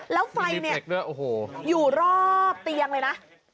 แล้วไฟเนี่ยโอ้โหอยู่รอบเตียงเลยนะ